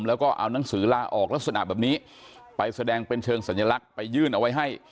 แล้วก็เอานังสือลาออกลักษณะแบบนี้ไปแสดงเป็นเชิงสัญลักษณ์ไปยื่นเอาไว้ให้